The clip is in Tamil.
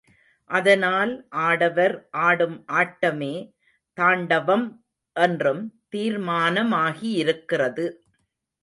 அதனால் ஆடவர் ஆடும் ஆட்டமே தாண்டவம் என்றும் தீர்மானமாகியிருக்கிறது.